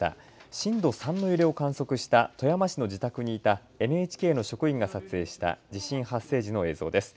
震度３の揺れを観測した富山市の自宅にいたＮＨＫの職員が撮影した地震発生時の映像です。